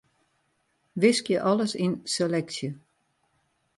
Wiskje alles yn seleksje.